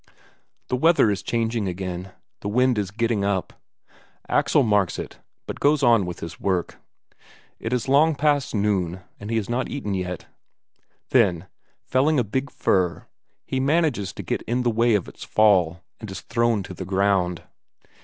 The weather is changing again, the wind is getting up. Axel marks it, but goes on with his work. It is long past noon, and he has not yet eaten. Then, felling a big fir, he manages to get in the way of its fall, and is thrown to the ground.